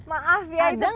maaf ya itu kecualian